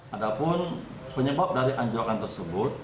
ada pun penyebab dari anjlokan tersebut